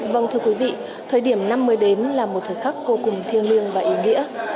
vâng thưa quý vị thời điểm năm mới đến là một thời khắc vô cùng thiêng liêng và ý nghĩa